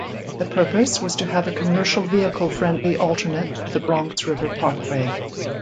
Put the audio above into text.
The purpose was to have a commercial-vehicle friendly alternate to the Bronx River Parkway.